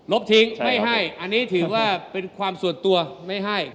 ทิ้งไม่ให้อันนี้ถือว่าเป็นความส่วนตัวไม่ให้